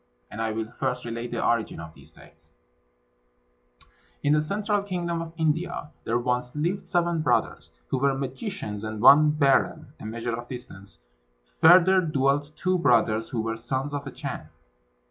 And I will first relate the origin of these tales: In the central kingdom of India there once lived seven brothers, who were magicians; and one berren (a measure of distance) further dwelt two brothers, who were sons of a Chan.